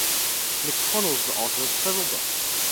McConnell is the author of several books.